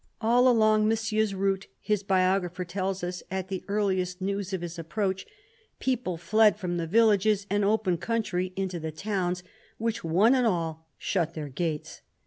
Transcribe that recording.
All along Monsieur's route, his biographer tells us, at the earliest news of his approach, people fled from the villages and open country into the towns, which one and all shut their gates.